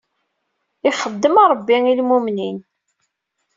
I ixeddem Rebbi i lmumnin.